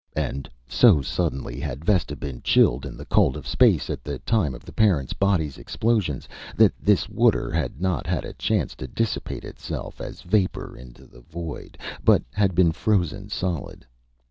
And so suddenly had Vesta been chilled in the cold of space at the time of the parent body's explosion, that this water had not had a chance to dissipate itself as vapor into the void, but had been frozen solid.